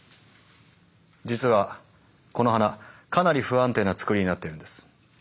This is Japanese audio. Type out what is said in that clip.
実はこの花かなり不安定な作りになってるんです。